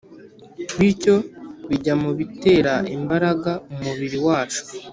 bityo bijya mu bitera imbaraga umubiri wacu.